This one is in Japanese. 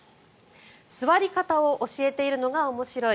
座り方を教えているのが面白い。